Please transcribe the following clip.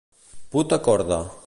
Put a corda.